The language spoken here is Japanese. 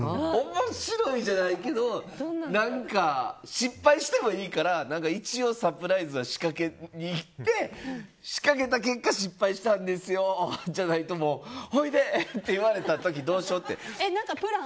面白いじゃないけど何か失敗してもいいから一応サプライズは仕掛けにいって、仕掛けた結果失敗したんですよじゃないとほいで？って言われた時どうしようって。